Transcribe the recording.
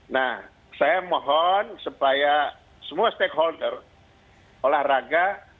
nah saya mohon supaya semua stakeholder olahraga